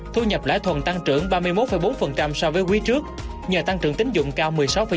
thu nhập lãi thuận tăng trưởng ba mươi một bốn so với quý trước nhờ tăng trưởng tính dụng cao một mươi sáu chín